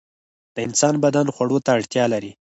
د انسان بدن خوړو ته اړتیا لري.